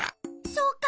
そうか。